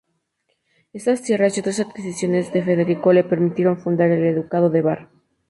Estas tierras y otras adquisiciones de Federico le permitieron fundar el ducado de Bar.